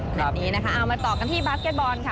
แบบนี้นะคะเอามาต่อกันที่บาร์เก็ตบอลค่ะ